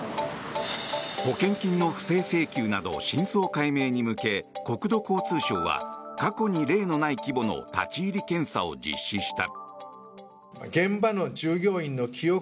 保険金の不正請求など真相解明に向け国土交通省は過去に例のない規模の立ち入り検査を実施した。